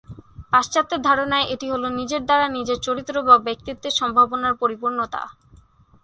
পাশ্চাত্যের ধারণায় এটি হল "নিজের দ্বারা নিজের চরিত্র বা ব্যক্তিত্বের সম্ভাবনার পরিপূর্ণতা"।